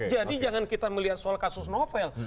jadi jangan kita melihat soal kasus novel